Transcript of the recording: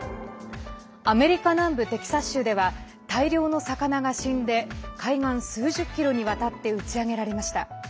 アメリカ南部テキサス州では大量の魚が死んで海岸数十キロにわたって打ち上げられました。